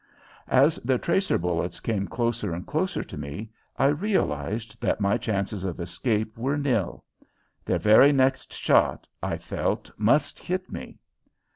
As their tracer bullets came closer and closer to me I realized that my chances of escape were nil. Their very next shot, I felt, must hit me.